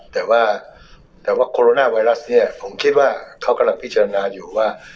แต่ว่าแต่ว่าโคโรนาไวรัสเนี่ยผมคิดว่าเขากำลังพิจารณาอยู่ว่า